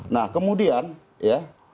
nah kemudian ya